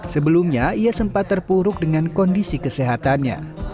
sebelumnya ia sempat terpuruk dengan kondisi kesehatannya